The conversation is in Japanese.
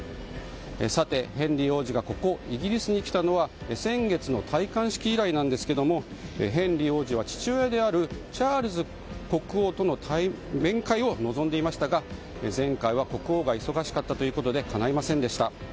さて、ヘンリー王子がここイギリスに来たのは先月の戴冠式以来なんですがヘンリー王子は父親であるチャールズ国王との面会を望んでいましたが前回は国王が忙しかったということでかないませんでした。